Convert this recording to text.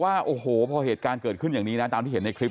ว่าโอ้โหพอเหตุการณ์เกิดขึ้นอย่างนี้นะตามที่เห็นในคลิป